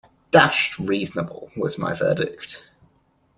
Dashed reasonable, was my verdict.